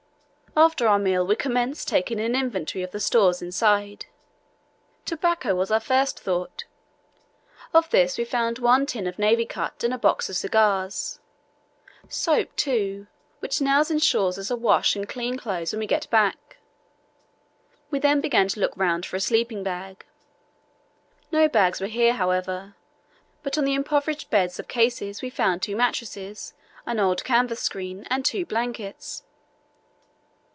After our meal we commenced taking an inventory of the stores inside. Tobacco was our first thought. Of this we found one tin of Navy Cut and a box of cigars. Soap, too, which now ensures us a wash and clean clothes when we get back. We then began to look round for a sleeping bag. No bags were here, however, but on the improvised beds of cases we found two mattresses, an old canvas screen, and two blankets.